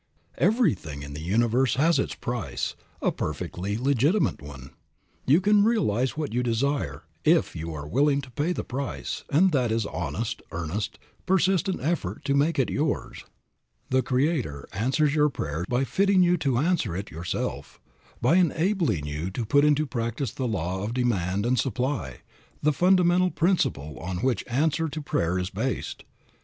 Everything in the universe has its price, a perfectly legitimate one. You can realize what you desire if you are willing to pay the price, and that is honest, earnest, persistent effort to make it yours. The Creator answers your prayer by fitting you to answer it yourself, by enabling you to put into practice the law of demand and supply, the fundamental principle on which answer to prayer is based.